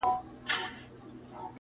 چي پیسې لري بس هغه دي ښاغلي,